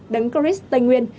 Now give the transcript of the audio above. đấng chris tây nguyên